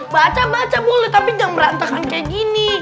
baca baca boleh tapi jangan berantakan kayak gini